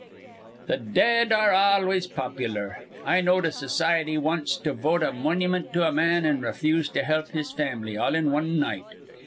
Th' dead ar re always pop'lar. I knowed a society wanst to vote a monyment to a man an' refuse to help his fam'ly, all in wan night.